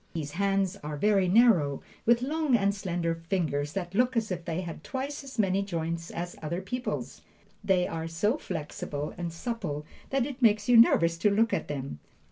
His hands are very narrow, with long and slender fingers that look as if they had twice as many joints as other people's. They are so flexible and supple that it makes you nervous to look at them.